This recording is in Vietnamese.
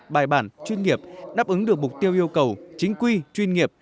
bài bản chuyên nghiệp đáp ứng được mục tiêu yêu cầu chính quy chuyên nghiệp